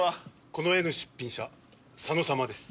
この絵の出品者佐野様です。